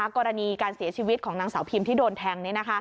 กรณีการเสียชีวิตของนางสาวพิมที่โดนแทง